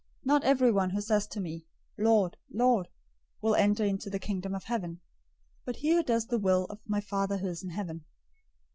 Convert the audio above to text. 007:021 Not everyone who says to me, 'Lord, Lord,' will enter into the Kingdom of Heaven; but he who does the will of my Father who is in heaven.